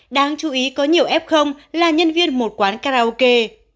đáng chú ý có nhiều f là nhân viên một quán karaoke